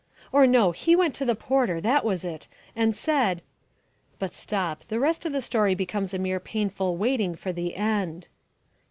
or no, he went to the porter that was it and said " But stop. The rest of the story becomes a mere painful waiting for the end.